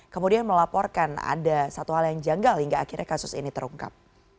kemudian melaporkan ada satu hal yang janggal hingga akhirnya kasus ini terungkap